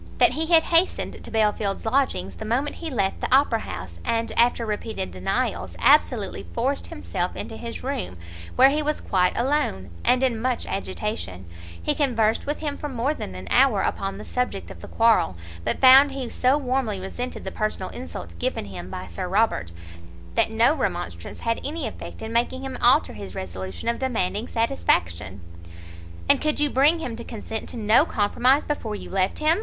That he had hastened to Belfield's lodgings the moment he left the Opera house, and, after repeated denials, absolutely forced himself into his room, where he was quite alone, and in much agitation: he conversed with him for more than an hour upon the subject of the quarrel, but found he so warmly resented the personal insult given him by Sir Robert, that no remonstrance had any effect in making him alter his resolution of demanding satisfaction. "And could you bring him to consent to no compromise before you left him?"